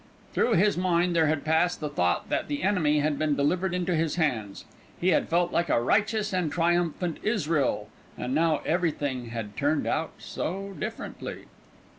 Through his mind there had passed the thought that the enemy had been delivered into his hands. He had felt like a righteous and triumphant Israel; and now everything had turned out so differently.